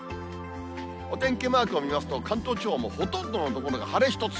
お天気マークを見ますと、関東地方もほとんどの所が晴れ一つ。